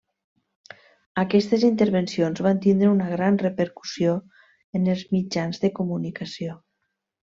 Aquestes intervencions van tindre una gran repercussió en els mitjans de comunicació.